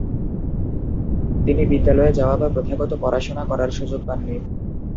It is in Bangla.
তিনি বিদ্যালয়ে যাওয়া বা প্রথাগত পড়াশোনা করার সুযোগ পাননি।